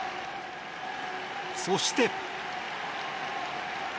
そして。